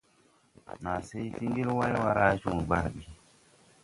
Naa se ti ngel wayway raa joo barbi.